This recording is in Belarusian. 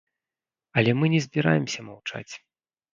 Але мы не збіраемся маўчаць.